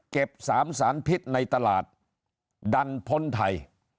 เก็บ๓สารพิษในตลาดดันพลไทย